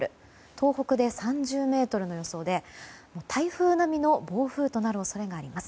東北で３０メートルの予想で台風並みの暴風となる恐れがあります。